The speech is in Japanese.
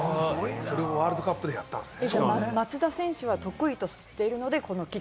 それをワールドカップでやったんですね。